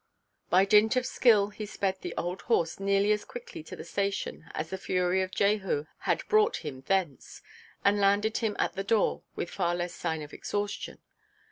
By dint of skill he sped the old horse nearly as quickly to the station as the fury of Jehu had brought him thence, and landed him at the door with far less sign of exhaustion.